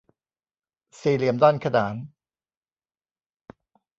สี่เหลี่ยมด้านขนาน